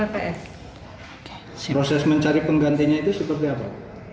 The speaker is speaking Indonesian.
proses mencari penggantinya itu seperti apa